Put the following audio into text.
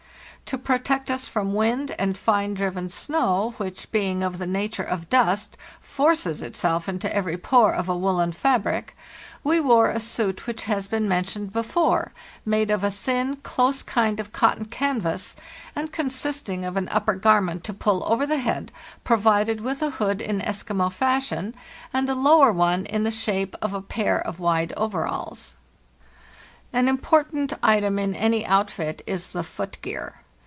To protect us from wind and fine driven snow, which, being of the nature of dust, forces itself into every pore of a woollen fabric, we wore a sult which has been mentioned before, 116 PARTHE SL NORLTE made of a thin, close kind of cotton canvas, and consist ing of an upper garment to pull over the head, provided with a hood in Eskimo fashion, and a lower one in the shape of a pair of wide overalls. An important item in an outfit is the foot gear.